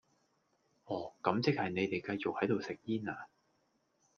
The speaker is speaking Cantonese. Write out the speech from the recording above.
哦,咁即係你哋繼續喺度食煙呀?